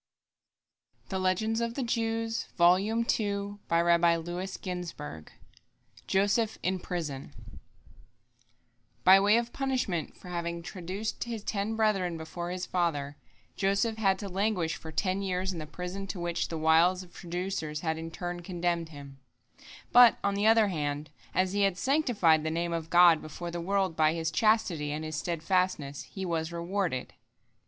" JOSEPH IN PRISON By way of punishment for having traduced his ten brethren before his father, Joseph had to languish for ten years in the prison to which the wiles of traducers had in turn condemned him. But, on the other hand, as he had sanctified the Name of God before the world by his chastity and his steadfastness, he was rewarded.